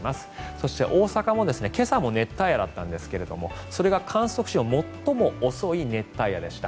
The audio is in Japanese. そして大阪も今朝も熱帯夜だったんですがそれが観測史上最も遅い熱帯夜でした。